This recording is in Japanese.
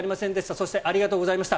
そしてありがとうございました。